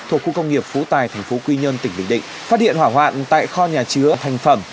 thuộc khu công nghiệp phú tài tp quy nhơn tỉnh bình định phát hiện hỏa hoạn tại kho nhà chứa thành phẩm